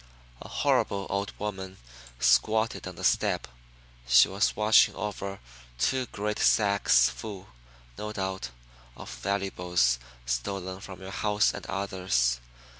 A horrible old woman squatted on the step. She was watching over two great sacks full, no doubt, of valuables stolen from your house and others.